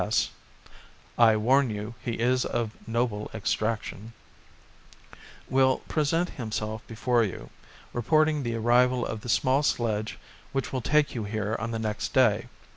S. (I warn you he is of noble extraction), will present himself before you, reporting the arrival of the small sledge which will take you here on the next day.